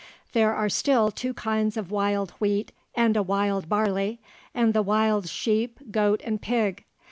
There are still two kinds of wild wheat and a wild barley, and the wild sheep, goat, and pig.